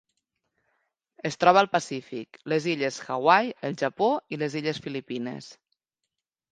Es troba al Pacífic: les illes Hawaii, el Japó i les illes Filipines.